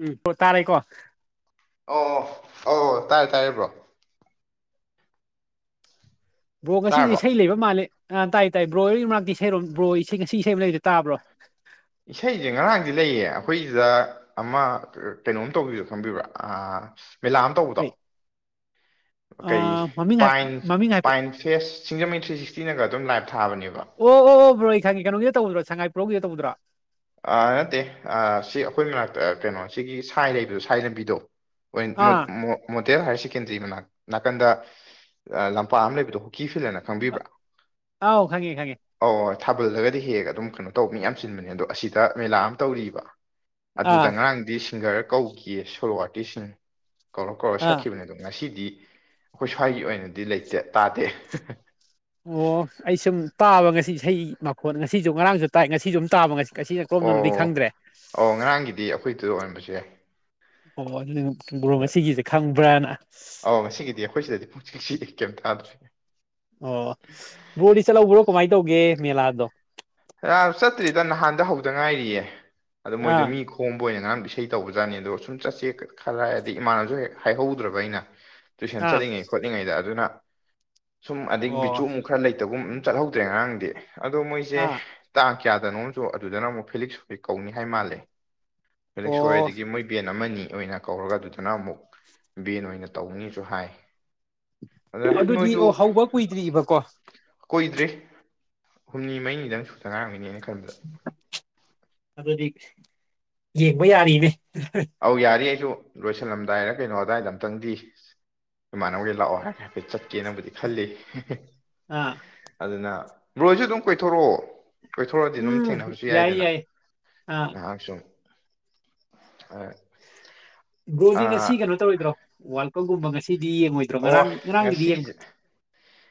ꯎꯝ ꯍ ꯇꯥꯔꯦꯀꯣ ꯑꯣ ꯑꯣ ꯇꯥꯔꯦ ꯇꯥꯔꯤꯕ꯭ꯔꯣ ꯕ꯭ꯔꯣ ꯉꯁꯤꯁꯦ ꯇꯥꯔꯕꯣ ꯏꯁꯩ ꯂꯩꯕ ꯃꯥꯜꯂꯦ ꯑ ꯇꯥꯏ ꯇꯥꯏ ꯕ꯭ꯔꯣ ꯌꯔꯒꯤ ꯃꯅꯥꯛꯇ ꯏꯁꯩꯔꯣꯝ ꯕ꯭ꯔꯣ ꯏꯁꯩꯁꯤ ꯏꯁꯩ ꯂꯩꯗꯤꯦ ꯇꯥꯕ꯭ꯔꯣ ꯑ ꯏꯁꯩꯁꯦ ꯉꯔꯥꯡꯗꯤ ꯂꯩꯌꯦ ꯑꯩꯈꯣꯏꯁꯤꯗ ꯑꯃ ꯀꯩꯅꯣꯝ ꯇꯧꯕꯤꯣ ꯈꯪꯕꯤꯕ꯭ꯔꯥ ꯃꯦꯂꯥ ꯑꯃ ꯇꯧꯕꯗꯣ ꯀꯩ ꯀꯩ ꯑꯥ ꯃꯃꯤꯡ ꯍꯥꯏ ꯄꯥꯏꯟ ꯃꯃꯤꯡ ꯍꯥꯏꯐꯦꯠ ꯄꯥꯏꯟ ꯐꯦꯁ ꯁꯤꯡꯖꯃꯩ ꯊ꯭ꯔꯤ ꯁꯤꯛꯁꯇꯤꯅꯒ ꯑꯗꯨꯝ ꯂꯥꯏꯞ ꯊꯥꯕꯅꯦꯕ ꯑꯣ ꯕꯣ ꯑꯩ ꯊꯥꯡꯉ ꯀꯩꯅꯣꯒꯤꯗ ꯇꯧꯗ꯭ꯔꯣ ꯁꯉꯥꯏꯄ꯭ꯔꯧꯒꯤꯗ ꯇꯧꯗ꯭ꯔꯣ ꯅꯠꯇꯦ ꯁꯤ ꯑꯩꯈꯣꯏ ꯃꯅꯥꯛꯇ ꯀꯩꯅꯣ ꯁꯤꯒꯤ ꯁꯥꯏ ꯂꯩꯕꯗꯣ ꯁꯥꯏ ꯂꯝꯕꯤꯗꯣ ꯑꯥ [inaudible] ꯃꯣꯗꯦꯜ ꯍꯥꯌꯔ ꯁꯦꯀꯦꯟꯗꯔꯤ ꯃꯅꯥꯛ ꯅꯥꯀꯟꯗ ꯂꯝꯄꯥꯛ ꯑꯃ ꯂꯩꯕꯗꯣ ꯍꯣꯀꯤ ꯐꯤꯜꯗꯅꯠꯇ ꯈꯪꯕꯤꯕ꯭ꯔꯥ ꯑꯥꯎ ꯈꯪꯉꯦ ꯈꯪꯉꯦ ꯑꯧ ꯊꯥꯕꯜꯗꯒꯗꯤ ꯍꯦꯛ ꯑꯗꯨꯝ ꯀꯩꯅꯣ ꯇꯧꯕ ꯃꯤ ꯌꯥꯝ ꯆꯤꯟꯕꯅꯦ ꯑꯗꯣ ꯑꯁꯤꯗ ꯃꯦꯂꯥ ꯑꯃ ꯇꯧꯔꯤꯕ ꯑꯗꯨꯗ ꯑꯥ ꯉꯔꯥꯡꯗꯤ ꯁꯤꯡꯒꯔ ꯀꯧꯈꯤꯌꯦ ꯁꯣꯂꯣ ꯑꯥꯔꯇꯤꯁꯁꯤꯡ ꯀꯧꯔ ꯀꯧꯔ ꯑꯥ ꯁꯛꯈꯤꯕꯅꯤ ꯑ ꯑꯗꯨꯣ ꯉꯁꯤꯗꯤ ꯑꯩꯈꯣꯏ ꯁ꯭ꯋꯥꯏꯒꯤ ꯑꯣꯏꯅꯗꯤ ꯂꯩꯇꯦ ꯇꯥꯗꯦ ꯑꯣ ꯑꯩ ꯁꯨꯝ ꯇꯥꯕ ꯉꯁꯤ ꯏꯁꯩ ꯃꯈꯣꯠ ꯉꯁꯤꯁꯨ ꯉꯔꯥꯡꯁꯨ ꯇꯥꯏ ꯉꯁꯤꯁꯨ ꯑꯗꯨꯝ ꯇꯥꯕ ꯉꯁꯤ ꯀꯁꯤꯅ ꯀꯣꯝꯗꯧꯅꯗꯤ ꯈꯪꯗ꯭ꯔꯦ ꯑꯣ ꯑꯣ ꯉꯔꯥꯡꯒꯤꯗꯤ ꯑꯩꯈꯣꯏꯗꯨꯗ ꯑꯣꯏꯔꯕꯁꯨ ꯌꯥꯏ ꯑꯣ ꯑꯗꯨꯅ꯭ꯔꯣ ꯉꯁꯤꯒꯤꯁꯦ ꯈꯪꯕ꯭ꯔꯥꯅ ꯉꯁꯤꯗꯤ ꯑꯩꯈꯣꯏꯁꯤꯗꯗꯤ ꯐ ꯁꯤꯁꯤ ꯀꯩꯝꯇ ꯇꯥꯗ꯭ꯔꯤ ꯑꯣ ꯔꯣꯗꯤ ꯆꯠꯍꯧꯕ꯭ꯔꯣ ꯀꯃꯥꯏꯅ ꯇꯧꯒꯦ ꯃꯦꯂꯥꯗꯣ ꯥ ꯆꯠꯇ꯭ꯔꯤꯗ ꯅꯍꯥꯟꯗ ꯍꯧꯗ ꯉꯥꯏꯔꯤꯌꯦ ꯑꯗꯣ ꯃꯣꯏꯗ ꯑꯥ ꯃꯤꯀꯣ ꯍꯣꯝꯕ ꯑꯣꯏꯅ ꯉꯔꯥꯡ ꯏꯁꯩ ꯇꯧꯕꯖꯥꯠꯅꯤ ꯑꯗꯣ ꯁꯨꯝ ꯆꯠꯁꯦ ꯈꯜꯂ ꯑꯗꯤ ꯏꯃꯥꯅꯁꯨ ꯍꯦꯛ ꯍꯥꯏꯍꯧꯗ꯭ꯔꯕ ꯑꯩꯅ ꯇꯨꯏꯁꯟ ꯑꯥ ꯆꯠꯂꯤꯉꯩ ꯈꯣꯠꯂꯤꯉꯩꯗ ꯑꯗꯨꯅ ꯁꯨꯝ ꯑꯩ ꯑꯣ ꯕꯤꯆꯨ ꯑꯃꯛ ꯈꯔ ꯂꯩꯇꯒꯨꯝ ꯆꯠꯍꯧꯗ꯭ꯔꯦ ꯉꯔꯥꯡꯗꯤ ꯑꯗꯣ ꯃꯣꯏꯁꯦ ꯑꯥ ꯇꯥꯡ ꯀꯌꯥꯗꯅꯣꯁꯨ ꯑꯗꯨꯗꯅ ꯑꯃꯨꯛ ꯐꯤꯂꯤꯛꯁ ꯍꯣꯏ ꯀꯧꯅꯤ ꯍꯥꯏ ꯃꯥꯜꯂꯦ ꯐꯂꯦꯛ ꯁꯣꯏ ꯑꯣ ꯑꯗꯒꯤ ꯃꯣꯏ ꯕꯦꯟ ꯑꯃꯅꯤ ꯑꯣꯏꯅ ꯀꯧꯔꯒ ꯑꯗꯨꯗꯨꯅ ꯑꯃꯨꯛ ꯕꯦꯟ ꯑꯣꯏꯅ ꯇꯧꯅꯤꯁꯨ ꯍꯥꯏ ꯑꯗꯨꯗꯤ ꯑꯣ ꯍꯧꯕ ꯀꯨꯏꯗ꯭ꯔꯤꯕꯑꯔꯤꯕꯀꯣ ꯀꯣꯏꯏꯗ꯭ꯔꯤ ꯍꯨꯝꯅꯤ ꯃꯔꯤꯅꯤꯗꯪ ꯁꯨꯛꯇ ꯉꯔꯝꯃꯤꯅꯦꯅ ꯑꯗꯨꯗꯤ ꯌꯦꯡꯕ ꯌꯥꯔꯤꯅꯦ ꯑꯧ ꯌꯥꯔꯤꯌꯦ ꯑꯩꯁꯨ ꯂꯣꯏꯁꯤꯜꯂꯝꯗꯥꯏꯔ ꯀꯩꯅꯣ ꯑꯗꯥꯏꯗ ꯑꯝꯛꯇꯪꯗꯤ ꯏꯃꯥꯟꯅꯕꯒꯤ ꯂꯥꯛꯑꯣ ꯍꯥꯏꯒ ꯍꯥꯏꯐꯦꯠꯀꯦꯅꯕꯨꯗꯤ ꯈꯜꯂꯤ ꯑꯥ ꯑꯗꯨꯅ ꯕꯣꯏꯁꯨ ꯑꯗꯨꯝ ꯀꯣꯏꯊꯣꯔꯛꯑꯣ ꯀꯣꯏꯊꯣꯛꯗꯤ ꯑꯗꯨꯝ ꯎꯝ ꯊꯦꯡꯅꯕꯁꯨ ꯌꯥꯏ ꯌꯥꯏꯗꯅ ꯌꯥꯏ ꯑꯥ ꯉꯥꯏꯍꯥꯛꯁꯨ ꯑ ꯕ꯭ꯔꯣꯁ ꯉꯁꯤ ꯀꯩꯅꯣ ꯇꯧꯔꯣꯏꯗ꯭ꯔꯣ ꯋꯥꯔꯜ ꯀꯞꯀꯨꯝꯕ ꯉꯁꯤꯗꯤ ꯌꯦꯡꯉꯣꯏꯗ꯭ꯔꯣ ꯑꯣ ꯉꯔꯥꯡ ꯉꯔꯥꯡꯒꯤꯗꯤ ꯉꯁꯤꯁꯦ ꯌꯦꯡꯕꯣ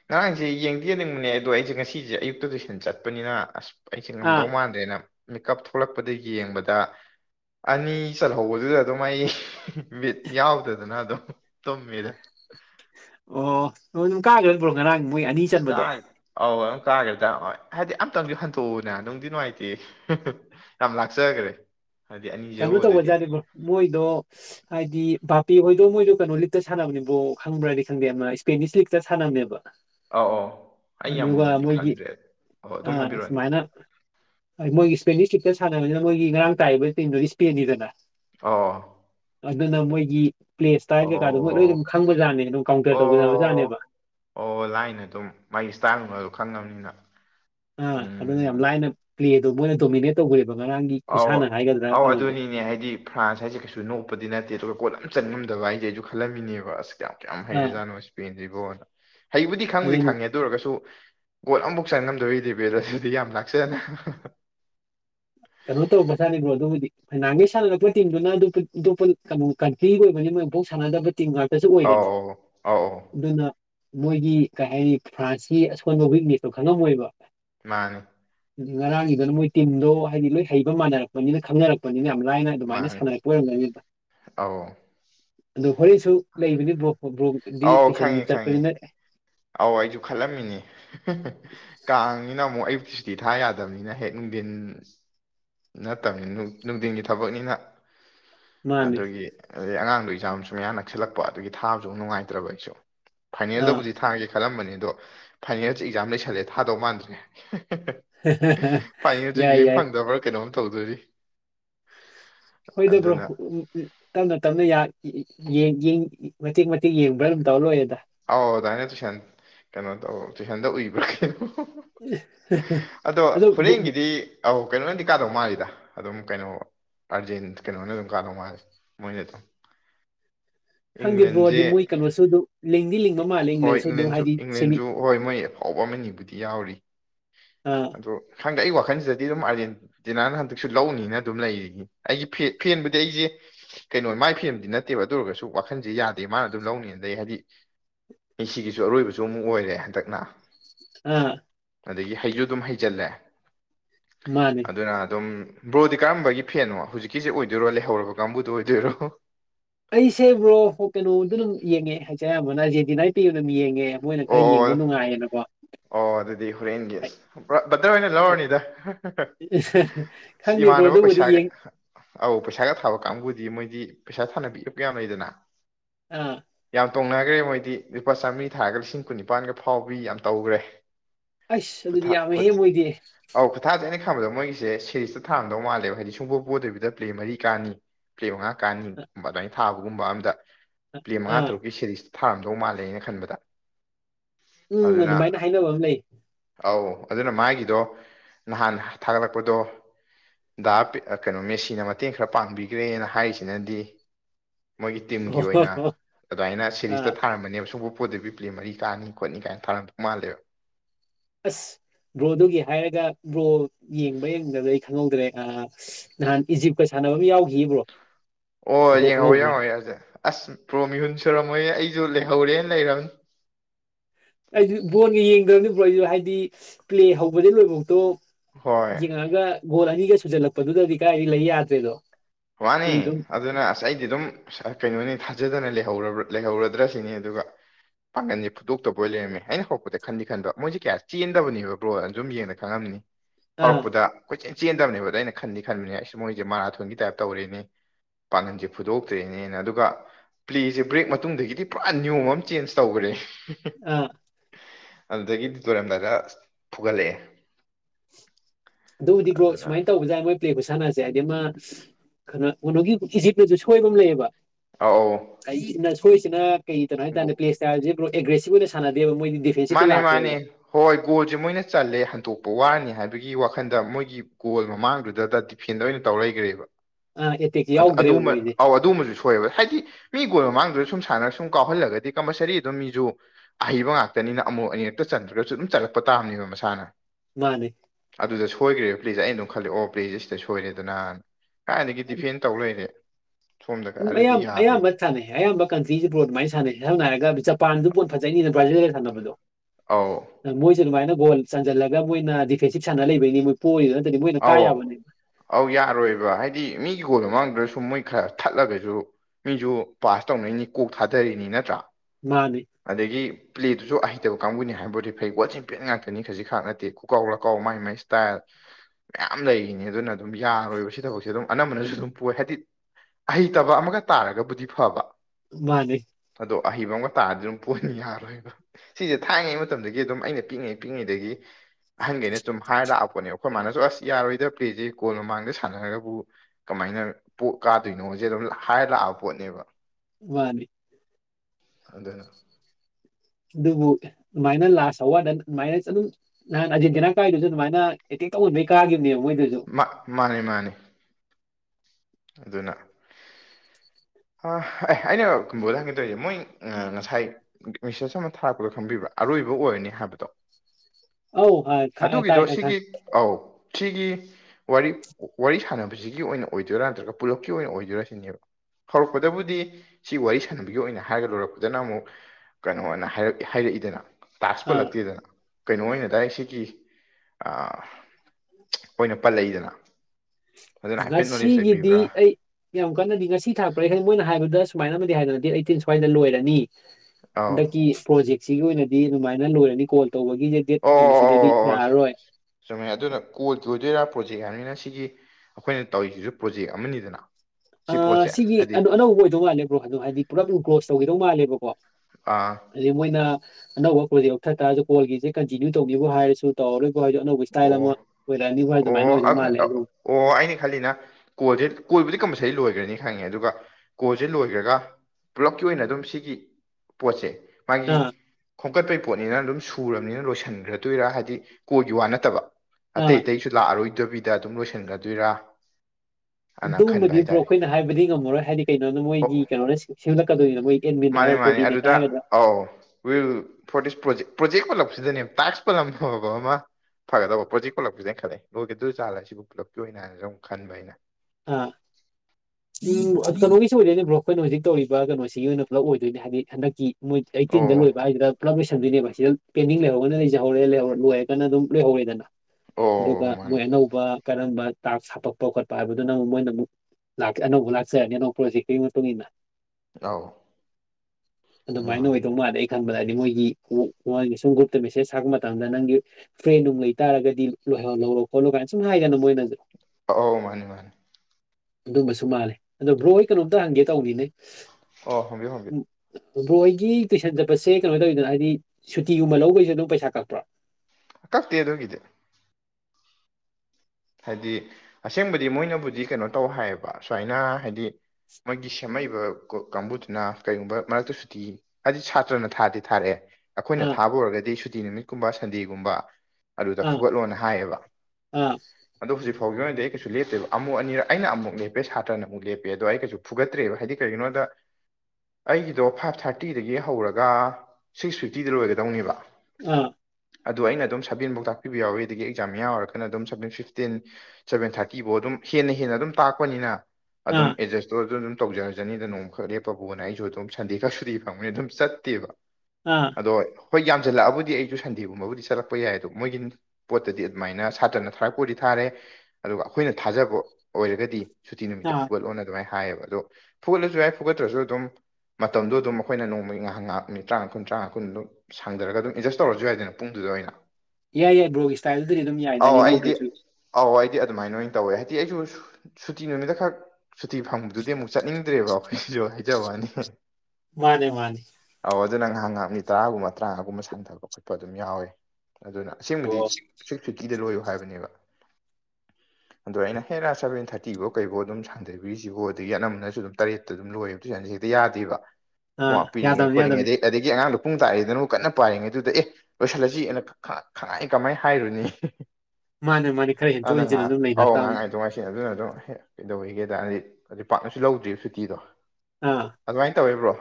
ꯉꯔꯥꯡꯁꯦ ꯌꯦꯡꯗꯦ ꯑꯗꯨꯅꯤꯡꯕꯛꯅꯦ ꯑꯗꯣ ꯑꯩꯁꯦ ꯉꯁꯤꯁꯦ ꯑꯌꯨꯛꯇꯗ ꯍꯦ ꯆꯠꯄꯅꯤꯅ ꯑꯁ ꯑꯩꯁꯦ ꯑꯥ ꯉꯝꯗꯧ ꯃꯥꯟꯗꯦꯅ ꯃꯦꯀꯞ ꯊꯣꯛꯂꯛꯄꯗ ꯌꯦꯡꯕꯗ ꯑꯅꯤ ꯆꯜꯍꯧꯕꯗꯨꯗ ꯑꯗꯨꯝ ꯑꯩ ꯃꯤꯠ ꯌꯥꯎꯗꯗꯅ ꯑꯗꯨꯝ ꯇꯨꯝꯃꯤꯗ ꯑꯣ ꯅ ꯑꯗꯨ ꯀꯥꯗꯣꯏꯕ꯭ꯔꯣ ꯉꯔꯥꯡ ꯃꯣꯏ ꯑꯅꯤ ꯑꯁ ꯆꯟꯕꯗꯣ ꯀꯥꯒ꯭ꯔꯦ ꯑꯧ ꯑꯗꯨ ꯀꯥꯒꯦꯗ ꯍꯥꯏꯗꯤ ꯑꯝꯇꯪꯁꯨ ꯍꯟꯇꯣꯛꯎꯅꯦ ꯅꯨꯡꯗꯤ ꯅꯨꯡꯉꯥꯏꯇꯦ ꯌꯥꯝ ꯂꯥꯛꯆ ꯒꯔꯦ ꯀꯩꯅꯣ ꯇꯧꯕꯖꯥꯠꯅꯦꯕꯣ ꯃꯣꯏꯗꯣ ꯍꯥꯏꯗꯤ ꯕꯥꯥꯄꯤ ꯍꯣꯏꯗꯣ ꯃꯣꯏꯗꯣ ꯀꯩꯅꯣ ꯂꯤꯛꯇ ꯁꯥꯟꯅꯕꯅꯤꯕꯣ ꯈꯪꯕ꯭ꯔꯗꯤ ꯈꯪꯗꯦ ꯌꯥꯝꯅ ꯏꯁꯄꯦꯅꯤꯁ ꯂꯤꯛꯇ ꯁꯥꯟꯅꯅꯦꯕ ꯑꯧ ꯑꯧ ꯑꯩ ꯌꯥꯝ ꯑꯗꯨꯒ ꯃꯨꯟꯅꯗꯤ ꯃꯣꯏꯒꯤ ꯈꯪꯗ꯭ꯔꯦ ꯑꯣ ꯑꯗꯨꯝ ꯑꯥ ꯍꯥꯏꯕꯤꯔꯛꯑꯣꯅꯦ ꯁꯨꯃꯥꯏꯅ ꯃꯣꯏꯒꯤ ꯏꯁꯄꯦꯅꯤꯁ ꯀꯤꯛꯀꯦꯠ ꯁꯥꯟꯅꯕꯅꯤꯅ ꯃꯣꯏꯒꯤ ꯉꯔꯥꯡ ꯇꯥꯏꯕ ꯇꯤꯝꯗꯨꯗꯤ ꯏꯁꯄꯦꯟꯅꯤꯗꯅ ꯑꯥ ꯑꯗꯨꯅ ꯃꯣꯏꯒꯤ ꯄ꯭ꯂꯦꯁꯇꯥꯏꯜ ꯑꯣ ꯀꯩꯀꯥꯗꯣ ꯃꯣꯏ ꯂꯣꯏ ꯑꯗꯨꯝ ꯈꯪꯕꯖꯥꯠꯅꯦ ꯑꯗꯨꯝ ꯀꯥꯎꯟꯇꯔ ꯑꯣ ꯇꯧꯕꯖꯕꯖꯥꯠꯅꯦꯕ ꯑꯣ ꯂꯥꯏꯅ ꯑꯗꯨꯝ ꯃꯥꯒꯤ ꯏꯁꯇꯥꯏꯜꯒꯨꯝꯕ ꯑꯗꯨ ꯈꯪꯉꯕꯅꯤꯅ ꯑ ꯑꯗꯨꯅ ꯌꯥꯝ ꯎꯝ ꯂꯥꯏꯅ ꯄ꯭ꯂꯦꯗꯣ ꯃꯣꯏꯅ ꯗꯣꯃꯤꯅꯦꯠ ꯇꯧꯈꯦꯕ ꯉꯔꯥꯡꯒꯤ ꯑꯧ ꯈꯨꯠꯁꯥꯟꯅ ꯍꯥꯏꯒꯗ꯭ꯔꯥ ꯑꯧ ꯀꯩꯅꯣꯁꯦ ꯑꯗꯨꯅꯤꯅꯦ ꯍꯥꯏꯗꯤ ꯐ꯭ꯔꯥꯟꯁ ꯍꯥꯏꯁꯦ ꯀꯩꯁꯨ ꯅꯣꯛꯞꯄꯗꯤ ꯅꯠꯇꯦ ꯑꯗꯨꯒ ꯀꯣꯠ ꯑꯃ ꯆꯠꯉꯝꯗꯕ ꯍꯥꯏꯁꯦ ꯑꯩꯁꯨ ꯈꯜꯂꯝꯃꯤꯅꯦꯕ ꯑꯁ ꯀꯌꯥꯝ ꯑꯥ ꯍꯩꯔꯦꯖꯥꯠꯅꯣ ꯁ ꯏꯁꯄꯦꯟꯁꯤꯕꯣꯅ ꯍꯩꯕꯨꯗꯤ ꯈꯪꯕꯨꯗꯤ ꯑꯗꯨꯅ ꯈꯪꯉꯦ ꯑꯗꯨ ꯑꯣꯏꯔꯒꯁꯨ ꯒꯣꯜ ꯑꯃꯐꯥꯎꯛ ꯆꯟ ꯉꯝꯗꯣꯔꯤꯗꯤꯦ ꯕꯗꯣ ꯑꯗꯨꯗꯤ ꯌꯥꯝ ꯂꯥꯛꯆꯦꯅ ꯀ ꯇꯕ ꯆꯥꯅꯤ ꯏꯔꯔꯕꯣꯗꯨꯕꯨꯗꯤ ꯐꯩꯅꯥꯟꯒꯤ ꯁꯟ ꯑꯗꯨꯏ ꯇꯤꯝꯗꯨꯅ ꯑꯇꯣꯞꯄ ꯑꯇꯣꯞꯄ ꯀꯟ ꯀꯟꯇ꯭ꯔꯤꯒꯤ ꯑꯣꯏꯕꯒꯤ ꯃꯣꯏ ꯑꯃꯐꯥꯎ ꯁꯥꯟꯅꯗꯕ ꯇꯤꯝ ꯉꯥꯛꯇꯁꯨ ꯑꯣꯏꯗꯅ ꯑꯧ ꯑꯧ ꯑꯧ ꯑꯗꯨꯅ ꯃꯣꯏꯒꯤ ꯀꯩ ꯍꯥꯏꯅꯤ ꯐ꯭ꯔꯥꯟꯁꯀꯤ ꯑꯁꯣꯟꯕ ꯋꯤꯛꯅꯦꯁꯇꯣ ꯈꯪꯉꯝꯃꯣꯏꯕ ꯃꯥꯅꯦ ꯉꯔꯥꯡꯒꯤꯗꯨꯅ ꯃꯣꯏ ꯇꯤꯝꯗꯣ ꯍꯥꯏꯗꯤ ꯂꯣꯏ ꯍꯩꯕ ꯃꯥꯟꯅꯔꯛꯄꯅꯤꯅ ꯈꯪꯅꯔꯛꯄ ꯄꯅꯤꯅ ꯌꯥꯝ ꯂꯥꯏꯅ ꯑꯗꯨꯃꯥꯏꯅ ꯃꯥꯅꯤ ꯁꯥꯟꯅꯔꯛꯄ ꯑꯣꯏꯔꯝꯒꯅꯤꯕ ꯑꯧ ꯑꯗꯨ ꯍꯣꯔꯦꯟꯁꯨ ꯂꯩꯕꯅꯤ ꯕ꯭ꯔꯣ ꯕ꯭ꯔꯣꯗꯤ ꯑꯧ ꯈꯪꯉꯦ ꯇꯨꯏꯁꯟꯗ ꯈꯪꯉꯦ ꯆꯠꯄꯅꯤꯅ ꯑꯧ ꯑꯩꯁꯨ ꯈꯜꯂꯝꯃꯤꯅꯦ ꯀꯥꯡꯅꯤꯅ ꯑꯃꯨꯛ ꯑꯌꯨꯛꯇꯤ ꯁꯨꯇꯤ ꯊꯥ ꯌꯥꯗꯕꯅꯤꯅ ꯍꯦꯛ ꯅꯨꯡꯊꯤꯟ ꯅꯠꯇꯕꯅꯤ ꯅꯨꯡꯊꯤꯟꯒꯤ ꯊꯕꯛꯅꯤꯅ ꯃꯥꯅꯤ ꯑꯗꯨꯒꯤ ꯑꯗꯩ ꯑꯉꯥꯡꯗꯣ ꯑꯦꯛꯖꯥꯝꯁꯨ ꯃꯌꯥ ꯅꯛꯁꯤꯜꯂꯛꯄ ꯑꯗꯨꯒꯤ ꯊꯥꯕꯁꯨ ꯅꯨꯡꯉꯥꯏꯇ꯭ꯔꯕ ꯑꯩꯁꯨ ꯑꯥ ꯐꯥꯏꯅꯦꯜꯗꯕꯨꯗꯤ ꯊꯥꯒꯦ ꯈꯜꯂꯝꯕꯅꯤ ꯑꯗꯣ ꯐꯥꯏꯅꯦꯜꯁ ꯑꯦꯛꯖꯥꯝ ꯂꯩꯁꯜꯂꯦ ꯊꯥꯗꯧ ꯃꯥꯟꯗ꯭ꯔꯦ ꯐꯅꯦꯁꯨ ꯌꯥꯏ ꯌꯦꯡ ꯌꯥꯏ ꯐꯪꯗꯕ꯭ꯔꯥ ꯀꯩꯅꯣꯝ ꯇꯧꯗꯣꯔꯤ ꯍꯣꯏꯗꯣꯏꯕ꯭ꯔꯣ ꯑꯗꯨꯅ ꯎ ꯇꯞꯅ ꯇꯞꯅ ꯃꯇꯦꯛ ꯃꯇꯦꯛ ꯌꯦꯡꯕ꯭ꯔꯥ ꯑꯗꯨꯝ ꯇꯧꯔ ꯂꯣꯏꯦꯗ ꯑꯧꯗꯥꯏꯅꯦ ꯇꯨꯏꯁꯥꯟ ꯀꯩꯅꯣ ꯇꯧ ꯇꯨꯏꯁꯥꯟꯗ ꯎꯏꯕ꯭ꯔꯥ ꯀ ꯑꯗꯣ ꯍꯣꯔꯦꯟꯒꯤꯗꯤ ꯑꯧ ꯀꯩꯅꯣꯅꯗꯤ ꯀꯥꯗꯧ ꯃꯥꯜꯂꯤꯗ ꯑꯗꯨꯝ ꯀꯩꯅꯣ ꯑꯥꯔꯖꯦꯟ ꯀꯩꯅꯣꯅ ꯑꯗꯨꯝ ꯀꯥꯗꯧ ꯃꯥꯜꯂꯤꯦ ꯃꯣꯏ [inaudible] ꯈꯪꯗꯦꯕ꯭ꯔꯣꯗꯤ ꯃꯣꯏ ꯀꯩꯅꯣꯁꯨ ꯑꯗꯨ ꯂꯤꯡꯗꯤ ꯂꯤꯡꯕ ꯃꯥꯜꯂꯦ ꯍꯣꯏ ꯏꯪꯂꯟꯁꯨ ꯑꯗꯨꯝ ꯏꯪꯂꯦꯟꯁꯨ ꯍꯥꯏꯗꯤ ꯁꯦꯃꯤ ꯏꯪꯂꯦꯟꯁꯨ ꯍꯣꯏ ꯃꯣꯏ ꯑꯐꯥꯎꯕ ꯑꯃꯅꯤꯕꯨꯗꯤ ꯌꯥꯎꯔꯤ ꯎꯝ ꯑꯗꯣ ꯈꯪꯗꯦ ꯑꯩ ꯋꯥꯈꯜꯁꯤꯗꯗꯤ ꯑꯗꯨꯝ ꯑꯥꯔꯖꯦꯟ ꯇꯤꯅꯥꯅ ꯍꯟꯗꯛꯁꯨ ꯂꯧꯅꯤꯅ ꯑꯗꯨꯝ ꯂꯩꯔꯤ ꯑꯩꯒꯤ ꯐꯦꯟꯕꯨꯗꯤ ꯑꯩꯁꯦ ꯀꯩꯅꯣ ꯃꯥꯏ ꯐꯦꯟꯗꯤ ꯅꯠꯇꯦꯕ ꯑꯗꯨ ꯑꯣꯏꯔꯒꯁꯨ ꯋꯥꯈꯟꯁꯦ ꯌꯥꯗꯦ ꯃꯥꯅ ꯑꯗꯨꯝ ꯂꯧꯅꯤꯅꯂꯩ ꯍꯥꯏꯗꯤ ꯃꯦꯁꯤꯒꯤꯁꯨ ꯑꯔꯣꯏꯕꯁꯨ ꯑꯃꯨꯛ ꯑꯣꯏꯔꯦ ꯍꯟꯗꯛꯅ ꯑꯥ ꯑꯗꯒꯤ ꯍꯩꯁꯨꯨ ꯑꯗꯨꯝ ꯍꯩꯖꯤꯜꯂꯦ ꯃꯥꯅꯦ ꯑꯗꯨꯅ ꯑꯗꯨꯝ ꯕ꯭ꯔꯣꯗꯤ ꯀꯔꯝꯕꯒꯤ ꯐꯦꯟꯅꯣ ꯍꯧꯖꯤꯛꯀꯤꯁꯦ ꯑꯣꯏꯗꯣꯏꯔꯣ ꯂꯩꯍꯧꯔꯕ ꯀꯥꯡꯕꯨꯗꯣ ꯑꯣꯏꯗꯣꯏꯔꯣ ꯑꯩꯁꯦ ꯕ꯭ꯔꯣ ꯀꯩꯅꯣꯗꯨꯣ ꯑꯗꯨꯝ ꯌꯦꯡꯉꯦ ꯑꯩꯁꯦ ꯑꯌꯥꯝꯕ ꯑꯥꯔꯖꯦꯟꯇꯤꯅꯥꯒꯤ ꯄ꯭ꯂꯦ ꯑꯗꯨꯝ ꯌꯦꯡꯉꯦ ꯃꯣꯏꯅ ꯈꯔ ꯑꯣ ꯌꯦꯡꯕ ꯑꯣ ꯅꯨꯡꯉꯥꯏꯌꯦꯅꯀꯣ ꯑꯣ ꯑꯗꯨꯗꯤ ꯍꯣꯔꯦꯟꯒꯤ ꯑꯁ ꯄꯨꯔꯥ ꯕ꯭ꯔꯗꯔ ꯍꯣꯏꯅ ꯂꯧꯔꯅꯤꯗ ꯈꯪꯗꯦ ꯕ꯭ꯔꯣ ꯏꯃꯥꯟꯅꯕ ꯑꯗꯨꯕꯨꯗꯤ ꯄꯩꯁꯥꯒ ꯌꯦꯡ ꯑꯧ ꯄꯩꯁꯥꯒ ꯊꯥꯕ ꯀꯥꯡꯕꯨꯗꯤ ꯃꯣꯏꯗꯤ ꯄꯩꯁꯥ ꯊꯥꯅꯕꯤ ꯌꯥꯝ ꯂꯩꯗꯅ ꯑꯥ ꯌꯥꯝ ꯇꯣꯡꯅꯈ꯭ꯔꯦ ꯃꯣꯏꯗꯤ ꯂꯨꯄꯥ ꯆꯥꯝꯔꯤ ꯊꯥꯔꯒ ꯂꯤꯁꯤꯡ ꯀꯨꯟꯅꯤꯄꯥꯥꯟꯒ ꯐꯥꯎꯕꯤ ꯌꯥꯝ ꯇꯧꯈ꯭ꯔꯦ ꯑꯁ ꯑꯗꯨꯗꯤ ꯈꯨꯨꯊꯥ ꯌꯥꯝꯃꯦꯍꯦ ꯈꯨꯠ ꯃꯣꯏꯗꯤ ꯑꯧ ꯈꯨꯊꯥꯁꯦ ꯑꯩꯅ ꯈꯪꯕꯗ ꯃꯣꯏꯒꯤꯁꯦ ꯁꯦꯔꯤꯁꯇ ꯊꯥꯔꯝꯗꯧ ꯃꯥꯜꯂꯦꯕ ꯍꯥꯏꯕꯗꯤ ꯁꯨꯡꯄꯣꯄꯣꯗꯕꯤꯗ ꯄ꯭ꯂꯦ ꯃꯔꯤ ꯀꯥꯅꯤ ꯄ꯭ꯂꯦ ꯃꯉꯥ ꯀꯥꯟꯅꯤꯒꯨꯝ ꯑꯗꯨꯃꯥꯏꯅ ꯊꯥꯕꯒꯨꯝꯕ ꯑꯝꯗ ꯄ꯭ꯂꯦ ꯃꯉꯥ ꯑꯥ ꯇꯔꯨꯛꯀꯤ ꯁꯦꯔꯤꯁꯇ ꯊꯥꯔꯝꯗꯧ ꯃꯥꯜꯂꯦ ꯑꯩꯅ ꯈꯟꯕꯗ ꯎꯝ ꯑꯗꯨꯅ ꯑꯗꯨꯃꯥꯏꯅ ꯍꯥꯏꯅꯕ ꯑꯃ ꯂꯩ ꯑꯧ ꯑꯗꯨꯅ ꯃꯥꯒꯤꯗꯣ ꯅꯍꯥꯟ ꯊꯥꯒꯠꯂꯛꯄꯗꯣ ꯗꯥ ꯀꯩꯅꯣ ꯃꯦꯁꯤꯅ ꯃꯇꯦꯡ ꯈꯔ ꯄꯥꯡꯕꯤꯈ꯭ꯔꯦꯅ ꯍꯥꯏꯔꯤꯁꯤꯅꯗꯤ ꯃꯣꯏꯒꯤ ꯇꯤꯝꯒꯤ ꯑꯣ ꯍꯣ ꯑꯣꯏꯅ ꯍꯣ ꯑꯗꯨꯃꯥꯏꯅ ꯑ ꯁꯤꯔꯤꯁꯇ ꯊꯥꯔꯝꯃꯅꯦꯕ ꯁꯨꯡꯄꯣꯄꯣꯗꯕꯤ ꯄ꯭ꯂꯦ ꯃꯔꯤ ꯀꯥꯅꯤ ꯈꯣꯠꯅꯤ ꯀꯥꯏꯅ ꯊꯥꯔꯝꯗꯧ ꯃꯥꯜꯂꯦꯕ ꯑꯁ ꯕ꯭ꯔꯣꯗꯨꯒꯤ ꯍꯥꯏꯔꯒ ꯕ꯭ꯔꯣ ꯌꯦꯡꯕ ꯌꯦꯡꯗꯕꯗ ꯑꯩ ꯈꯪꯍꯧꯗ꯭ꯔꯦ ꯑꯥ ꯅꯍꯥꯟ ꯏꯖꯤꯞꯀ ꯁꯥꯟꯅꯕ ꯑꯃ ꯌꯥꯎꯈꯤ ꯕ꯭ꯔꯣ ꯑꯣ ꯕ꯭ꯔꯣ ꯌꯦꯡꯍꯧꯋꯦ ꯈꯪꯍꯧꯕ꯭ꯔꯥ ꯌꯦꯡꯍꯧꯋꯦ ꯑꯁꯤ ꯑꯁ ꯕ꯭ꯔꯣ ꯃꯤꯍꯨꯟ ꯁꯨꯔꯝꯃꯣꯏꯌꯦ ꯑꯩꯁꯨ ꯂꯩꯍꯧꯔꯦꯅ ꯂꯩꯔꯕꯅꯤ ꯑꯩꯁꯨ ꯕꯣꯟꯒ ꯌꯦꯡꯗ꯭ꯔꯕꯅꯦ ꯕ꯭ꯔꯣ ꯑꯩꯁꯨ ꯍꯥꯏꯗꯤ ꯄ꯭ꯂꯦ ꯍꯧꯕꯗꯩ ꯂꯣꯏꯐꯥꯎꯇꯣ ꯍꯣꯏ ꯌꯦꯡꯉꯒ ꯒꯣꯜ ꯑꯅꯤꯒ ꯁꯨꯖꯜꯂꯛꯄꯗꯨꯗꯗꯤ ꯀꯥꯏ ꯂꯩ ꯌꯥꯗ꯭ꯔꯦꯗꯣ ꯋꯥꯅꯤ ꯑꯩ ꯑꯗꯨꯝ ꯑꯗꯨꯅ ꯑꯁ ꯑꯩ ꯑꯗꯨꯝ ꯑꯁ ꯑ ꯀꯩꯩꯅꯣꯅꯤ ꯊꯥꯖꯗꯅ ꯂꯩꯍꯧꯔꯕ꯭ꯔ ꯂꯩꯍꯧꯔꯗ꯭ꯔ ꯁꯤꯅꯤ ꯑꯗꯨꯒ ꯄꯥꯡꯒꯜꯖꯦ ꯐꯨꯗꯣꯛꯇꯕ ꯑꯣꯏ ꯂꯩꯔꯝꯃꯦ ꯑꯩꯅ ꯍꯧꯔꯛꯄꯗ ꯈꯟꯗꯤ ꯈꯟꯕ ꯃꯣꯏꯁꯦ ꯀꯌꯥ ꯆꯦꯟꯗꯕꯅꯦꯕ ꯕ꯭ꯔꯣ ꯑꯗꯨꯝ ꯌꯦꯡꯕꯗ ꯈꯪꯉꯝꯅꯤ ꯎ [inaudible] ꯍꯧꯥꯎꯔꯛꯄꯗ ꯀꯣꯏꯆꯦꯟ ꯆꯦꯟꯗꯕꯅꯦꯕꯗ ꯑꯩꯅ ꯈꯟꯗꯤ ꯈꯟꯕꯅꯤ ꯑꯁ ꯃꯣꯏꯁꯦ ꯃꯔꯥꯊꯣꯟꯒꯤ ꯇꯥꯏꯞ ꯇꯧꯔꯦꯅꯦ ꯄꯥꯡꯒꯟꯁꯦ ꯐꯨꯗꯣꯛꯇ꯭ꯔꯦꯅꯦꯅ ꯑꯗꯨꯒ ꯄ꯭ꯂꯦꯖꯦ ꯕ꯭ꯔꯦꯛ ꯃꯇꯨꯡꯗꯒꯤꯗꯤ ꯄꯨꯔꯥ ꯅꯤꯌꯣꯝ ꯑꯃ ꯆꯦꯟꯖ ꯇꯧꯒ꯭ꯔꯦ ꯑꯥ ꯑꯗꯨꯗꯒꯤꯗꯤ ꯂꯣꯏꯔꯝꯗꯥꯏꯗ ꯐꯨꯒꯠꯂꯛꯑꯦ ꯑꯗꯨꯕꯨꯗꯤꯕ꯭ꯔꯣ ꯑꯗꯨꯅ ꯁꯨꯥꯏ ꯇꯧꯕꯖꯥꯠꯅꯤ ꯃꯣꯏ ꯄ꯭ꯂꯦ ꯈꯨꯁꯥꯟꯅꯁꯦ ꯍꯥꯏꯗꯤ ꯑꯃꯥ ꯀꯩꯅꯣꯒꯤ ꯏꯖꯤꯞꯅꯁꯨ ꯁꯣꯏꯕ ꯑꯃ ꯂꯩꯌꯦꯕ ꯑꯧ ꯑꯧ ꯑꯩꯁꯤ ꯁꯣꯏꯁꯤꯅ ꯀꯩꯗꯅꯣ ꯍꯥꯏꯔꯛꯀꯥꯟꯗ ꯄ꯭ꯂꯦ ꯁ꯭ꯇꯥꯏꯜꯁꯦ ꯕ꯭ꯔꯣ ꯑꯦꯒ꯭ꯔꯦꯁꯤꯞ ꯑꯣꯏꯅ ꯁꯥꯟꯅꯗꯦꯕ ꯃꯣꯏꯗꯤꯗꯤ ꯃꯥꯅꯦ ꯃꯥꯅꯦ ꯍꯣꯏ ꯒꯣꯜꯁꯦ ꯃꯣꯏꯅ ꯆꯜꯂꯦ ꯍꯟꯇꯣꯛꯄ ꯋꯥꯔꯅꯤ ꯍꯥꯏꯕꯒꯤ ꯋꯥꯈꯟꯗ ꯃꯣꯏꯒꯤ ꯒꯣꯜ ꯃꯃꯥꯡꯗꯨꯗ ꯐꯦꯟꯗ ꯑꯣꯏꯅ ꯇꯧ ꯂꯩꯈꯒ꯭ꯔꯦꯕ ꯑ ꯑꯦꯇꯦꯛꯁꯦ ꯑꯗ ꯌꯥꯎꯗ꯭ꯔꯦꯕ ꯑꯗꯨꯃꯠ ꯃꯣꯏꯁꯦ ꯑꯧ ꯑꯗ ꯑꯗꯨꯃꯁꯨ ꯁꯣꯏꯑꯕ ꯍꯥꯏꯗꯤ ꯃꯤ ꯒꯣꯜ ꯃꯃꯥꯡꯗꯨꯗ ꯁꯨꯝ ꯁꯥꯟꯅꯔꯒ ꯁꯨꯝ ꯀꯥꯎꯍꯜꯂꯒꯗꯤ ꯀꯝꯄꯜꯁꯔꯤ ꯑꯗꯨꯝ ꯃꯤꯁꯨ ꯑꯍꯩꯕ ꯉꯥꯛꯇꯅꯤꯅ ꯑꯃꯨꯛ ꯑꯅꯤꯔꯛꯇ ꯆꯟꯗ꯭ꯔꯒꯁꯨ ꯑꯗꯨꯝ ꯆꯠꯂꯛꯄ ꯇꯥꯕꯅꯦꯕ ꯃꯁꯥꯅ ꯃꯥꯅꯦ ꯑꯗꯨꯗ ꯁꯣꯏꯈ꯭ꯔꯦꯕ ꯄ꯭ꯂꯦꯖꯦ ꯑꯩꯅ ꯑꯗꯨꯝ ꯈꯜꯂꯦ ꯑꯣ ꯄ꯭ꯂꯦꯖꯤ ꯁꯤꯗ ꯁꯣꯏꯔꯦꯗꯅ ꯀꯥꯏꯗꯒꯤ ꯗꯤꯐꯦꯟꯗ ꯇꯧ ꯂꯩꯔꯦ ꯁꯣꯝꯗꯒ ꯎꯝ ꯑꯗꯨꯗꯤ ꯑꯌꯥꯝ ꯌꯥꯔꯣꯏ ꯑꯌꯥꯝꯕ ꯁꯥꯟꯅꯩ ꯑꯌꯥꯝꯕ ꯀꯟꯇ꯭ꯁꯤꯁꯨ ꯕꯣ ꯑꯗꯨꯃꯥꯏꯅ ꯁꯥꯝꯅ ꯍꯥꯏꯔꯒ ꯖꯄꯥꯟꯗꯨ ꯕꯣꯜ ꯐꯖꯩꯅꯦ ꯕ꯭꯭ꯔꯥꯖꯤꯜꯒ ꯁꯥꯟꯅꯕꯗꯣ ꯑꯧ ꯅ ꯃꯣꯏꯁꯨ ꯑꯗꯨꯃꯥꯏꯅ ꯒꯣꯜ ꯆꯟꯖꯜꯂꯒ ꯃꯣꯏꯅ ꯗꯤꯐꯦꯟꯁꯤꯞ ꯁꯥꯟꯅ ꯂꯩꯕꯩꯅꯤ ꯃꯣꯏ ꯄꯣꯔꯤꯗꯨ ꯅꯠꯇꯗꯤ ꯃꯣꯏꯅ ꯀꯥ ꯑꯧ ꯌꯥꯕꯅꯦꯕ ꯑꯧ ꯌꯥꯔꯣꯏꯕ ꯍꯥꯏꯗꯤ ꯃꯤꯒꯤ ꯒꯣꯜ ꯃꯃꯥꯡꯗꯨꯗ ꯁꯨꯝ ꯃꯣꯏ ꯈꯔ ꯊꯠꯂꯒꯁꯨ ꯃꯤꯁꯨ ꯄꯥꯁ ꯇꯧꯅꯩꯅꯤ ꯀꯣꯛ ꯊꯥꯗꯔꯤꯅꯤ ꯅꯠꯇ꯭ꯔꯥ ꯃꯥꯅꯦ ꯑꯗꯒꯤ ꯄ꯭ꯂꯦꯗꯨꯁꯨ ꯑꯍꯩꯇꯕ ꯀꯥꯡꯕꯨꯅꯤ ꯍꯥꯏꯕ ꯑꯣꯏꯔꯗꯤ ꯐꯩ ꯋꯥꯜ ꯆꯦꯝꯄꯤꯌꯟ ꯉꯥꯛꯇꯅꯤ ꯈꯖꯤꯛ ꯈꯔꯥꯛ ꯅꯠꯇꯦ ꯈꯨꯀꯥꯎ ꯂꯀꯥꯎ ꯃꯥꯏ ꯃꯥꯏ ꯁꯇꯥꯏꯜ ꯃꯌꯥꯝ ꯂꯩꯔꯤꯅꯦ ꯑꯗꯨꯅ ꯑꯗꯨꯝ ꯌꯥꯔꯣꯏꯕ ꯁꯤ ꯊꯕꯛꯁꯦ ꯑꯗꯨꯝ ꯑꯅꯝꯕꯅꯁꯨ ꯑꯗꯨꯝ ꯄꯣꯏ ꯍꯥꯏꯗꯤ ꯑꯍꯩꯇꯕ ꯑꯃꯒ ꯇꯥꯔꯒꯕꯨꯗꯤ ꯐꯕ ꯃꯥꯅꯤ ꯑꯗꯣ ꯑꯍꯩꯕ ꯑꯃꯒ ꯇꯥꯔꯗꯤ ꯑꯗꯨꯝ ꯄꯣꯅꯤ ꯌꯥꯔꯣꯏꯕ ꯁꯤꯁꯦ ꯊꯥꯏꯅꯉꯩ ꯃꯇꯝꯗꯒꯤ ꯑꯗꯨꯝ ꯑꯩꯅ ꯄꯤꯛꯏꯉꯩ ꯄꯤꯛꯏꯉꯩꯗꯒꯤ ꯑꯍꯟꯈꯩꯅ ꯆꯨꯝ ꯍꯥꯏꯔ ꯂꯥꯛꯑꯄꯣꯅꯦ ꯑꯩꯈꯣꯏ ꯃꯥꯅꯁꯨ ꯑꯁ ꯌꯥꯔꯣꯏꯗ ꯄ꯭ꯂꯦꯖꯦ ꯒꯣꯜ ꯃꯃꯥꯡꯗ ꯁꯥꯟꯅꯔꯕꯨ ꯀꯃꯥꯏꯅ ꯄꯣ ꯀꯥꯗꯣꯏꯅꯣꯖꯦ ꯑꯗꯨꯝ ꯍꯥꯏꯔ ꯂꯥꯛꯑꯕ ꯄꯣꯠꯅꯦꯕ ꯋꯥꯅꯤ ꯑꯗꯨꯅ ꯑꯗꯨꯕꯨ ꯑꯗꯨꯃꯥꯏꯅ ꯂꯥꯁꯇ ꯑꯋꯥꯔꯗ ꯑꯗꯨꯃꯥꯏꯅ ꯏꯁ ꯑꯗꯨꯝ ꯅꯍꯥꯟ ꯑꯥꯔꯖꯦꯟꯇꯤꯅꯥ ꯀꯥꯏꯗꯨꯁꯨ ꯑꯗꯨꯃꯥꯏꯅ ꯑꯦꯇꯦꯛ ꯇꯧꯍꯟꯕꯒꯤ ꯀꯥꯈꯤꯕꯅꯦꯕ ꯃꯣꯏꯗꯨꯁꯨ ꯃꯥ ꯃꯥꯅꯦ ꯃꯥꯅꯦ ꯑꯗꯨꯅ ꯑ ꯑꯦ ꯑꯩꯅ ꯕ꯭ꯔꯣꯗ ꯍꯪꯒꯦ ꯇꯧꯔꯤꯁꯦ ꯃꯣꯏꯅ ꯉꯁꯥꯏ ꯃꯦꯁꯦꯁ ꯑꯃ ꯊꯥꯔꯛꯄꯗꯣ ꯈꯪꯕꯤꯕ꯭ꯔꯥ ꯑꯔꯣꯏꯕ ꯑꯣꯏꯔꯅꯤ ꯍꯥꯏꯕꯗꯣ ꯑꯧ ꯑ ꯈ- ꯑ ꯑꯗꯨꯒꯤꯗꯣ ꯇꯥꯏ ꯈꯥꯏ ꯁꯤꯒꯤ ꯑꯥꯎ ꯁꯤꯒꯤ ꯋꯥꯔꯤ ꯋꯥꯔꯤ ꯁꯥꯟꯅꯕꯖꯤꯒꯤ ꯑꯣꯏꯅ ꯑꯣꯏꯗꯣꯏꯔ ꯅꯠꯇ꯭ꯔꯒ ꯄꯨꯂꯞꯀꯤ ꯑꯣꯏꯅ ꯑꯣꯏꯗꯣꯏꯔ ꯁꯤꯅꯦꯕ ꯍꯧꯔꯛꯄꯗꯕꯨꯗꯤ ꯁꯤ ꯋꯥꯔꯤ ꯁꯥꯟꯅꯕꯒꯤ ꯑꯣꯏꯅ ꯍꯥꯏꯔꯒ ꯂꯣꯏꯔꯛꯄꯗꯅ ꯑꯃꯨꯛ ꯀꯩꯅꯣꯅ ꯍꯥꯏꯔꯛ ꯍꯥꯏꯔꯛꯏꯗꯅ ꯇꯥꯁ ꯑꯥ ꯄꯜꯂꯛꯇꯦꯗꯅ ꯀꯩꯅꯣ ꯑꯣꯏꯅ ꯗꯥꯏꯔꯦꯛ ꯁꯤꯒꯤ ꯑꯣꯏꯅ ꯄꯜꯂꯛꯏꯗꯅ ꯑꯗꯨꯅ ꯍꯥꯏꯐꯦꯠ ꯅꯣꯂꯦꯖ ꯉꯁꯤꯒꯤꯗꯤ ꯂꯩꯕꯤꯕ꯭ꯔꯥ ꯑꯩ ꯌꯥꯝ ꯀꯟꯅꯗꯤ ꯉꯁꯤ ꯊꯥꯛꯄ꯭ꯔꯥ ꯈꯪꯗꯦ ꯃꯣꯏꯅ ꯍꯥꯏꯕꯗ ꯁꯨꯃꯥꯏꯅ ꯑꯃꯗꯤ ꯍꯥꯏꯗꯅ ꯗꯦꯠ ꯑꯩꯇꯤꯟ ꯁ꯭ꯋꯥꯏꯗ ꯂꯣꯏꯔꯅꯤ ꯑꯧ ꯍꯟꯗꯛꯀꯤ ꯄ꯭ꯔꯣꯖꯦꯛꯁꯤꯒꯤ ꯑꯣꯏꯅꯗꯤ ꯑꯗꯨꯃꯥꯏꯅ ꯂꯣꯏꯔꯅꯤ ꯀꯣꯜ ꯇꯧꯕꯒꯤ ꯗꯦꯠ [inaudible] ꯑꯣ ꯑꯣ ꯀꯩꯅꯕꯁꯤꯗꯗꯤ ꯑꯣ ꯑꯣ ꯌꯥꯔꯔꯣꯏ ꯆꯨꯝꯃꯦ ꯑꯗꯨꯅ ꯀꯣꯜꯒꯤ ꯑꯣꯏꯗꯣꯏꯔꯥ ꯄ꯭ꯔꯣꯖꯦꯛ ꯍꯥꯏꯕꯅꯤꯅ ꯁꯤꯒꯤ ꯑꯩꯈꯣꯏꯅ ꯇꯧꯔꯤꯁꯤꯁꯨ ꯄ꯭ꯔꯣꯖꯦꯛ ꯑꯃꯅꯤꯗꯅ ꯑ ꯁꯤ ꯄꯣꯠꯁꯦ ꯁꯤꯒꯤ ꯍꯥꯏꯗꯤ ꯑꯅꯧꯕ ꯑꯣꯏꯗꯧ ꯃꯥꯜꯂꯦ ꯕ꯭ꯔꯣ ꯑꯗꯨ ꯍꯥꯏꯗꯤ ꯄꯨꯂꯞ ꯒ꯭ꯔꯣꯁ ꯇꯧꯈꯤꯗꯧ ꯃꯥꯜꯂꯦꯕꯀꯣ ꯑꯥ ꯑꯗ ꯃꯣꯏꯅ ꯑꯅꯧꯕ ꯄ꯭ꯔꯣꯖꯦꯛ ꯂꯧꯊ ꯇꯥꯔꯁꯨ ꯀꯣꯜꯒꯤꯖꯦ ꯀꯟꯇꯤꯅ꯭ꯌꯨ ꯇꯧꯒꯦꯕꯨ ꯍꯥꯏꯔꯁꯨ ꯇꯧꯔꯔꯣꯏꯀꯣ ꯍꯥꯢꯔꯁꯨ ꯑꯅꯧꯕ ꯁꯇꯥꯏꯜ ꯑꯣ ꯑꯃ ꯑꯣꯏꯔꯛꯑꯅꯤ ꯍꯣꯏ ꯑꯗꯨꯃꯥꯏꯅ ꯑꯣ ꯑꯣꯏꯗꯧ ꯑ- ꯃꯥꯜꯂꯦ ꯑ- ꯑꯗꯨ ꯑꯣ ꯑꯩꯅ ꯈꯜꯂꯤꯅ ꯀꯣꯜꯖꯦ ꯀꯣꯏꯕꯨꯗꯤ ꯀꯝꯄꯜꯁꯔꯤ ꯂꯣꯏꯈꯒ꯭ꯔꯅꯤ ꯈꯪꯉꯦ ꯑꯗꯨꯒ ꯀꯣꯜꯁꯦ ꯂꯣꯏꯒ꯭ꯔꯒ ꯄꯨꯂꯞꯀꯤ ꯑꯣꯏꯅ ꯑꯗꯨꯝ ꯁꯤꯒꯤ ꯄꯣꯠꯁꯦ ꯃꯥꯒꯤ ꯑꯥ ꯈꯣꯝꯀꯠꯄꯒꯤ ꯄꯣꯠꯅꯤꯅ ꯑꯗꯨꯝ ꯁꯨꯔꯝꯅꯤꯅ ꯂꯣꯏꯁꯟꯒ꯭ꯔꯗꯣꯏꯔꯥ ꯍꯥꯏꯗꯤ ꯀꯣꯜꯒꯤ ꯋꯥ ꯅꯠꯇ ꯅꯠꯇꯕ ꯑꯥ ꯑꯇꯩ ꯑꯇꯩꯁꯨ ꯂꯥꯛꯑꯔꯣꯏꯗꯕꯤꯗ ꯑꯗꯨꯝ ꯂꯣꯏꯁꯤꯟꯒꯗꯣꯏꯔꯥ ꯑꯅ ꯈꯟꯕ ꯑꯗꯨꯨꯝꯕꯗꯤ ꯕ꯭ꯔꯣ ꯍꯥꯏꯇꯥꯔꯦ ꯑꯩꯈꯣꯏꯅ ꯍꯥꯏꯕꯗꯤ ꯉꯝꯃꯔꯣꯏ ꯍꯥꯏꯗꯤ ꯀꯩꯅꯣꯗꯣ ꯃꯣꯏꯒꯤ ꯀꯩꯅꯣꯅ ꯁꯦ ꯁꯦꯝꯂꯛꯀꯗꯣꯏꯅꯤ ꯃꯣꯏ ꯑꯦꯗꯃꯤꯟ ꯃꯥꯅꯤ ꯍꯥꯏꯔ ꯃꯥꯅꯤ ꯑꯗꯨꯗ ꯀꯣꯑꯣꯗꯤꯅꯦꯇꯔ ꯍꯥꯏꯒꯗ꯭ꯔꯥ ꯑꯥꯎ ꯋꯤꯟ ꯐꯣꯔ ꯄ꯭ꯔꯣꯖꯦꯛ ꯄ꯭ꯔꯣꯖꯦꯛ ꯄꯂꯞꯁꯤꯗꯅꯦ ꯇꯥꯛꯁ ꯄꯜꯂꯝꯕ ꯐꯕ ꯑꯃ ꯐꯒꯗꯕ ꯄ꯭ꯔꯣꯖꯦꯛ ꯄꯨꯜꯂꯛꯄꯁꯤꯗꯅ ꯈꯜꯂꯦ ꯂꯣꯏꯒꯗꯁꯨ ꯆꯥꯂꯦꯕꯨ ꯄꯨꯂꯄ ꯑꯣꯏꯅ ꯍꯥꯏꯅꯁꯨ ꯁꯨꯝ ꯈꯟꯕ ꯑꯩꯅ ꯑ ꯎ ꯑ [inaudible] ꯁꯤ ꯑꯣꯏꯗꯣꯏꯅꯦ ꯕ꯭ꯔꯣ ꯑꯩꯈꯣꯏꯅ ꯍꯧꯖꯤꯛ ꯇꯧꯔꯤꯕ ꯀꯩꯅꯣꯁꯤꯒꯤ ꯑꯣꯏꯅ ꯄꯨꯂꯞ ꯑꯣꯏꯗꯣꯏꯅꯤ ꯍꯥꯏꯗꯤ ꯍꯟꯗꯛꯀꯤ ꯃꯣꯏ ꯑꯩꯇꯤꯟꯗ ꯑꯣ ꯂꯣꯏꯕ ꯍꯥꯏꯗꯨꯅ ꯄꯨꯂꯞ ꯂꯣꯏꯁꯤꯟꯗꯣꯏꯅꯦꯕ ꯁꯤꯗ ꯄꯦꯟꯗꯤꯡ ꯂꯩꯍꯧꯒꯅꯗꯤ ꯂꯩꯖꯍꯧꯔꯦ ꯂꯣꯏꯔꯒꯥꯟꯅ ꯑꯗꯨꯝ ꯂꯩꯍꯧꯔꯦꯗꯅ ꯑꯣ ꯑꯗꯨꯒ ꯃꯥꯅꯤ ꯃꯣꯏ ꯑꯅꯧꯕ ꯀꯔꯝꯕ ꯇꯥꯛꯁ ꯍꯥꯄꯛꯄ ꯈꯣꯠꯄ ꯍꯥꯏꯕ ꯑꯗꯨꯅ ꯑꯃꯨꯛ ꯃꯣꯏꯅ ꯑꯃꯨꯛ ꯂꯥꯛꯆꯔꯅꯤ ꯑꯅꯧ ꯄꯨ꯭ꯔꯣꯖꯤꯛꯒꯤ ꯃꯇꯨꯡ ꯏꯟꯅ ꯑꯧ ꯑꯗꯨꯃꯥꯏꯅ ꯃꯥꯅꯤ ꯑꯣꯏꯗꯧ ꯃꯥꯜꯂꯦ ꯑꯩ ꯈꯥꯟꯕꯗ ꯍꯥꯏꯗꯤ ꯃꯣꯏꯒꯤ ꯃꯣꯏꯒꯤ ꯁꯨꯝ ꯒ꯭ꯔꯨꯞꯇ ꯃꯦꯁꯦꯖ ꯊꯥꯔꯛꯄ ꯃꯇꯝꯗ ꯅꯪꯒꯤ ꯐ꯭ꯔꯦꯟ ꯅꯨꯡ ꯂꯩꯇꯥꯥꯔꯒꯗꯤ ꯂꯣꯢꯔꯣ ꯈꯣꯠꯂꯣ ꯀꯥꯏꯅ ꯁꯨꯝ ꯍꯥꯏꯗꯅ ꯃꯣꯏꯅꯁꯨ ꯑꯥꯎ ꯃꯥꯅꯦ ꯃꯥꯅꯦ ꯑꯗꯨꯝꯕꯁꯨ ꯃꯥꯜꯂꯦ ꯑꯗꯣ ꯕ꯭ꯔꯣ ꯍꯣꯏ ꯀꯩꯅꯣꯝꯇ ꯍꯪꯒꯦ ꯇꯧꯅꯤꯅꯦ ꯑꯥꯍ ꯍꯪꯕꯤꯌꯨ ꯍꯪꯕꯤꯌꯨ ꯕ꯭ꯔꯣ ꯍꯣꯏꯒꯤ ꯇꯨꯏꯁꯟ ꯆꯠꯄꯁꯦ ꯀꯩꯅꯣ ꯇꯧꯢꯗꯅ ꯍꯥꯏꯗꯤ ꯁꯨꯇꯤꯒꯨꯝꯕ ꯂꯧꯕꯩꯁꯨ ꯑꯗꯨꯝ ꯄꯩꯁꯥ ꯀꯛꯄ꯭ꯔꯣ ꯀꯥꯛꯇꯦ ꯑꯗꯨꯒꯤꯗꯤ ꯍꯥꯏꯗꯤ ꯑꯁꯦꯡꯕꯗꯤ ꯃꯣꯏꯅꯕꯨꯗꯤ ꯀꯩꯅꯣ ꯇꯧ ꯍꯥꯏꯌꯦꯕ ꯁꯨꯃꯥꯏꯅ ꯍꯥꯏꯗꯤ ꯃꯣꯏꯒꯤ ꯁꯦꯝꯃꯛꯏꯕ ꯀꯥꯡꯕꯨꯗꯨꯅ ꯀꯔꯤꯒꯨꯝꯕ ꯃꯔꯛꯇ ꯁꯨꯇꯤ ꯍꯥꯢꯗꯤ ꯁꯥꯇ꯭ꯔꯅ ꯊꯥꯔꯗꯤ ꯊꯥꯔꯛꯑꯦ ꯑꯩꯈꯣꯏꯅ ꯑꯥ ꯊꯥꯕ ꯑꯣꯏꯔꯒꯗꯤ ꯁꯨꯇꯤ ꯅꯨꯃꯤꯠꯀꯨꯝꯕ ꯁꯟꯗꯦꯒꯨꯝꯕ ꯑꯗꯨꯗ ꯑꯥ ꯐꯨꯒꯠꯂꯣꯅ ꯍꯥꯏꯌꯦꯕ ꯑꯥ ꯑꯗꯣ ꯍꯧꯖꯤꯛ ꯐꯥꯎꯒꯤ ꯑꯣꯏꯅꯗꯤ ꯑꯩꯩ ꯀꯩꯁꯨ ꯂꯦꯞꯇꯦꯕ ꯑꯃꯨꯛ ꯑꯅꯤꯔꯛ ꯑꯩꯅ ꯑꯃꯨꯛ ꯂꯦꯞꯄꯦ ꯁꯥꯇ꯭ꯔꯅ ꯑꯃꯨꯛ ꯂꯦꯞꯄꯦ ꯑꯗ ꯑꯩ ꯀꯩꯁꯨ ꯐꯨꯒꯠꯇ꯭ꯔꯦꯕ ꯍꯥꯏꯗꯤ ꯀꯔꯤꯒꯤꯅꯣꯗ ꯑꯩꯒꯤꯗꯣ ꯐꯥꯏꯚ ꯊꯥꯔꯇꯤꯗꯒꯤ ꯍꯧꯔꯒ ꯁꯤꯛꯁ ꯐꯤꯞꯇꯤꯗ ꯂꯣꯏꯒꯗꯧꯅꯦꯕ ꯑꯥ ꯑꯗꯨ ꯑꯩꯅ ꯑꯗꯨꯝ ꯁꯕꯦꯟꯐꯧ ꯇꯥꯛꯄꯤꯕ ꯌꯥꯎꯋ ꯑꯗꯒꯤ ꯑꯦꯛꯥꯝ ꯌꯥꯎꯔꯒꯅ ꯑꯗꯨꯝ ꯁ ꯇꯦꯟ ꯁꯚꯦꯟ ꯊꯥꯔꯇꯤꯕꯨꯥꯎ ꯑꯗꯨꯝ ꯍꯦꯟꯅ ꯍꯦꯟꯅ ꯑꯗꯨꯝ ꯇꯥꯛꯄꯅꯤꯅ ꯑꯥ ꯑꯗꯨꯝ ꯑꯦꯖꯁ ꯑꯗꯣ ꯑꯗꯨꯝ ꯇꯧꯖꯔꯖꯅꯤꯗ ꯅꯣꯡꯃꯈꯛ ꯂꯦꯞꯄꯕꯣꯅ ꯑꯩꯁꯨ ꯑꯗꯨꯝ ꯁꯟꯗꯦ ꯈꯔ ꯁꯨꯗꯤ ꯐꯪꯒꯅꯤ ꯑꯗꯨꯝ ꯆꯠꯇꯦꯕ ꯑ ꯑꯗꯣ ꯍꯣꯏ ꯌꯥꯝꯁꯤꯜꯂꯛꯑꯕꯨꯗꯤ ꯑꯩꯁꯨ ꯁꯟꯗꯦꯒꯨꯝꯕꯕꯨꯗꯤ ꯆꯠꯂꯛꯄ ꯌꯥꯏ ꯑꯗꯣ ꯃꯣꯏꯒꯤ ꯄꯣꯠꯇꯗꯤ ꯑꯗꯨꯃꯥꯏꯅ ꯁꯥꯇꯅ ꯊꯥꯔꯄꯣꯔꯤ ꯊꯥꯔꯦ ꯑꯗꯨꯒ ꯑꯩꯈꯣꯏꯅ ꯊꯥꯖꯕ ꯑꯣꯏꯔꯒꯗꯤ ꯁꯨꯇꯤ ꯅꯨꯃꯤꯠꯇ ꯑꯥ ꯐꯨꯒꯠ ꯑꯣꯅ ꯑꯗꯨꯃꯥꯏ ꯍꯥꯏꯌꯦꯕ ꯑꯗꯨ ꯐꯨꯒꯠꯂꯁꯨ ꯌꯥꯏ ꯐꯨꯒꯠꯇ꯭ꯔꯁꯨ ꯑꯗꯨꯝ ꯃꯇꯝꯗꯨ ꯑꯗꯨꯝ ꯑꯩꯈꫭꯏꯅ ꯅꯣꯡꯃ ꯉꯥꯍꯥꯛ ꯉꯥꯍꯥꯛꯅꯤ ꯃꯤꯅꯤꯠ ꯇꯔꯥꯉꯥ ꯀꯨꯟ ꯇꯔꯥꯉꯥ ꯀꯨꯟꯗꯨ ꯁꯥꯡꯗꯔꯒ ꯑꯗꯨꯝ ꯑꯦꯖꯁ ꯇꯧꯔꯖꯨ ꯌꯥꯏꯗꯅ ꯄꯨꯡꯗꯨꯗ ꯑꯣꯏꯅ ꯌꯥꯏ ꯌꯥꯏ ꯕ꯭ꯔꯣꯒꯤ ꯏꯁꯇꯥꯏꯜꯗꯨꯗꯤ ꯑꯗꯨꯝ ꯑꯧ ꯌꯥꯏꯗꯥꯏꯅꯦ ꯑꯩꯗꯤ ꯂꯧꯗ꯭ꯔꯖꯨ ꯑꯧ ꯑꯩꯗꯤ ꯑꯗꯨꯃꯥꯏꯅ ꯑꯣꯏꯅ ꯇꯧꯋꯦ ꯍꯥꯏꯗꯤ ꯑꯩꯁꯨ ꯁꯨ ꯁꯨꯇꯤ ꯅꯨꯃꯤꯠꯇ ꯈꯛ ꯁꯨꯇꯤ ꯐꯪꯕꯗꯨꯗꯤ ꯑꯃꯨꯛ ꯆꯠꯅꯤꯡꯗ꯭ꯔꯦꯕ ꯑꯩꯈꯣꯏꯖꯨ ꯍꯥꯏꯖꯕꯩ ꯋꯥꯅꯤ ꯃꯥꯅꯦ ꯃꯥꯅꯦ ꯑꯧ ꯑꯗꯨꯅ ꯉꯥꯍꯥꯛ ꯉꯥꯍꯥꯛ ꯃꯤꯅꯠ ꯇꯔꯥꯒꯨꯝꯕ ꯇꯔꯥꯉꯥꯒꯨꯝꯕ ꯁꯥꯡꯊꯕ ꯈꯣꯠꯄ ꯑꯗꯨꯝ ꯌꯥꯎꯋꯦ ꯑꯗꯨꯅ ꯑꯁꯦꯡꯕꯗꯤ ꯑꯣ ꯁꯤꯛꯁ ꯐꯤꯐꯇꯤꯗ ꯂꯣꯏꯌꯣ ꯍꯥꯏꯕꯅꯦꯕ ꯑꯗꯣ ꯑꯩꯅ ꯍꯦꯟꯅ ꯁꯕꯦꯟ ꯊꯥꯔꯇꯤꯐꯥꯎ ꯀꯩꯕꯣ ꯑꯗꯨꯝ ꯁꯥꯟꯊꯕꯤꯔꯤꯁꯤꯕꯣ ꯑꯗꯒꯤ ꯑꯅꯝꯕꯅꯁꯨ ꯑꯗꯨꯝ ꯇꯔꯦꯠ ꯑꯗꯨꯝ ꯂꯣꯏꯌꯦꯕ ꯇꯨꯏꯁꯟꯁꯦ ꯍꯦꯛꯇ ꯌꯥꯗꯦꯕ ꯑꯥ ꯎꯥꯛ ꯄꯤꯔꯤꯉꯦ ꯌꯥꯗꯕꯅꯤ ꯈꯣꯠꯂꯤꯉꯩ ꯌꯥꯗꯕꯅꯤ ꯑꯗꯩ ꯑꯗꯒꯤ ꯑꯉꯥꯡꯗꯣ ꯄꯨꯡ ꯇꯥꯔꯏꯗꯅꯨ ꯀꯟꯅ ꯄꯥꯏꯔꯤꯉꯩꯗꯨꯗ ꯑꯦ ꯂꯣꯏꯁꯤꯜꯂꯁꯤ ꯑꯩꯅ ꯀꯃꯥꯏ ꯀꯃꯥꯏ ꯍꯥꯏꯔꯨꯅꯤ ꯃꯥꯅꯦ ꯃꯥꯅꯦ ꯈꯔ ꯍꯦꯟꯇꯣꯛ ꯑꯗ ꯉ ꯍꯦꯟꯖꯤꯟ ꯑꯗꯨꯝ ꯂꯩꯅ ꯑꯧ ꯉꯥꯡ ꯇꯥꯕꯅꯤ ꯉꯥꯏꯗ ꯉꯥꯏꯁꯤ ꯑꯗꯨꯅ ꯑꯗꯨꯝ ꯀꯩꯗꯧꯋꯒꯦ ꯇꯔꯅꯗꯤ ꯑꯗꯨꯩ ꯄꯥꯛꯅꯁꯨ ꯌꯥ ꯂꯧꯗ꯭ꯔꯤꯕ ꯁꯨꯇꯤꯗꯣ ꯑꯥ ꯑꯗꯨꯃꯥꯏꯅ ꯇꯧꯔꯤꯕ꯭ꯔꯣ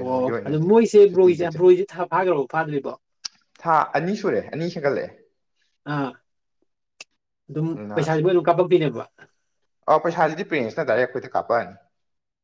ꯑꯣ ꯑꯗꯨꯗꯣ ꯃꯣꯏꯁꯦ ꯕ꯭ꯔꯣꯏꯁꯦ ꯕ꯭ꯔꯣꯏꯁꯦ ꯐꯥꯈ꯭ꯔꯕ ꯐꯥꯗ꯭ꯔꯤꯕꯣ ꯊꯥ ꯑꯅꯤ ꯁꯨꯔꯦ ꯑꯅꯤ ꯍꯦꯟꯒꯠꯂꯛꯑꯦ ꯑꯥ ꯑꯗꯨꯝ ꯄꯩꯁꯥꯖꯦ ꯃꫭꯏꯅꯗꯨꯝ ꯀꯥꯞꯄꯛꯇꯣꯏꯅꯦꯕ ꯑꯧ ꯄꯩꯁꯥꯖꯤꯗꯤ ꯄꯦꯟꯁꯇ ꯗꯥꯏꯔꯦꯛ ꯑꯩꯈꯣꯏꯗ ꯀꯥꯞꯄꯛꯑꯅꯤ